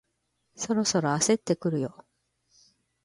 そろそろ焦ってくるよ